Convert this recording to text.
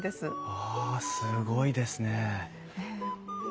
わあすごいですね。